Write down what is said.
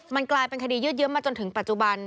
มันกลายเป็นคดียืดเยอะมาจนถึงปัจจุบัน